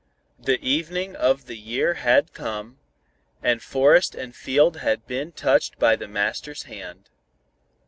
The evening of the year had come, and forest and field had been touched by the Master's hand.